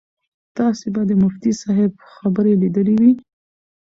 تاسو به د مفتي صاحب خبرې لیدلې وي.